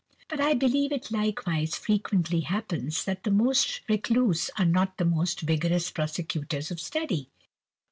But I believe it likewise frequently happens that the most recluse are not the most vigorous prosecutors of study.